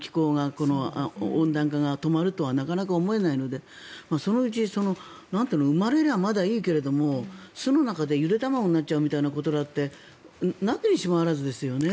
温暖化が止まるとはなかなか思えないのでそのうち生まれりゃまだいいけど巣の中でゆで卵になっちゃうみたいなことだってなきにしもあらずですよね。